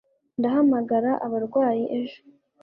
Ndahamagara abarwayi ejo